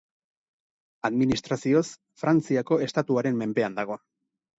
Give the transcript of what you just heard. Administrazioz Frantziako estatuaren menpean dago.